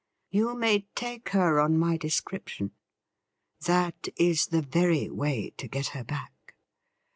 'You may take her on my description. That is the very way to get her back.